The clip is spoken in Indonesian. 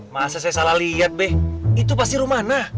masa saya salah liat be itu pasti rumana